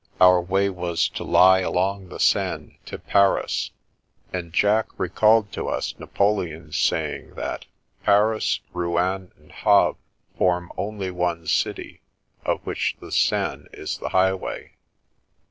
Our way was to lie along the Seine to Paris, and Jack re called to us Napoleon's saying that " Paris, Rouen, and Havre form only one city, of which the Seine is the highway."